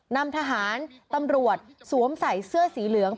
นำทหารตำรวจสวมใส่เสื้อสีเหลือง